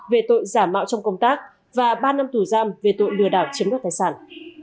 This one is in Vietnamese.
về tội giả mạo trong công tác và ba năm tù giam về tội lừa đảo chiếm đoạt tài sản